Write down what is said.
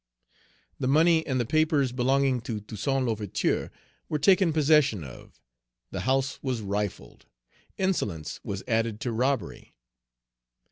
The money and the papers belonging to Toussaint L'Ouverture were taken possession of. The house was rifled; insolence was added to robbery.